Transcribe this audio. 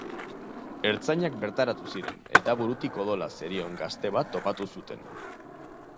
Ertzainak bertaratu ziren eta burutik odola zerion gazte bat topatu zuten.